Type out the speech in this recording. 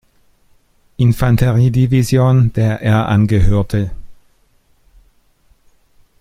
Infanterie-Division, der er angehörte.